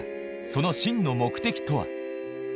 その真の目的とは？